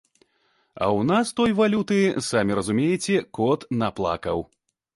А ў нас той валюты, самі разумееце, кот наплакаў.